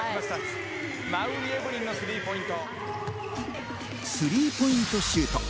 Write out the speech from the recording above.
馬瓜エブリンのスリーポインスリーポイントシュート。